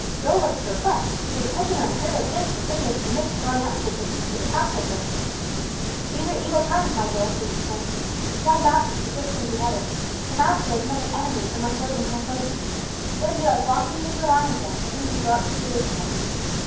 Joel looked perplexed; it was such an unheard of thing for Phineas to miss going up to the Feast of the Passover. "These are evil times, my Joel," he explained. "John Baptist has just been beheaded. The Master has many enemies among those in high places. It would be like walking into a lion's den for Him to go up to Jerusalem.